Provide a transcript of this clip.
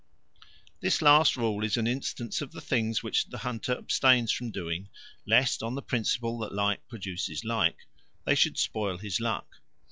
This last rule is an instance of the things which the hunter abstains from doing lest, on the principle that like produces like, they should spoil his luck.